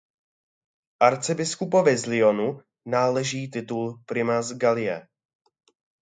Arcibiskupovi z Lyonu náleží titul primas Galie.